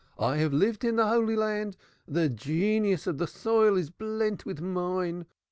I have lived in the Holy Land the genius of the soil is blent with mine.